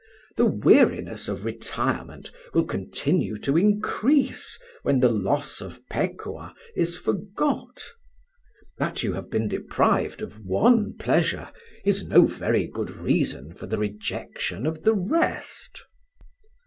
The weariness of retirement will continue to increase when the loss of Pekuah is forgot. That you have been deprived of one pleasure is no very good reason for rejection of the rest."